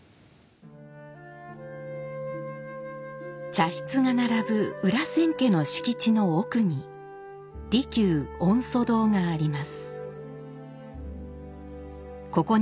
茶室が並ぶ裏千家の敷地の奥に利休御祖堂があります。